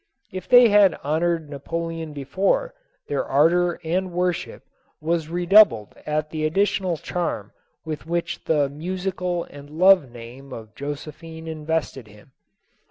If they had honored Napoleon before, their ardor and worship was redoubled at the additional charm with which the mu sical and loved name of Josephine invested him.